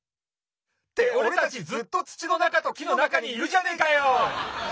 っておれたちずっとつちのなかときのなかにいるじゃねえかよ！